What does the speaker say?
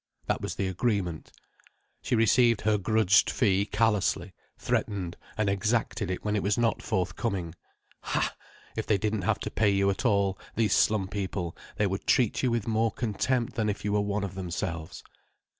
That was the agreement. She received her grudged fee callously, threatened and exacted it when it was not forthcoming. Ha!—if they didn't have to pay you at all, these slum people, they would treat you with more contempt than if you were one of themselves.